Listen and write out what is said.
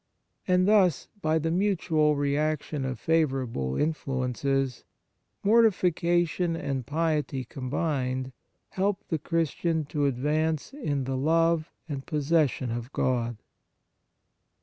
And thus, by the mutual reaction of favourable influences, mortification and piety combined help the Chris tian to advance in the love and pos session of God.